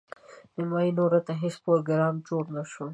نیمايي نورو ته هیڅ پروګرام جوړ نه شو.